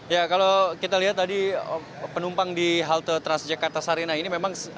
ya kalau kita lihat tadi penumpang di halte transjakarta sarina ini memang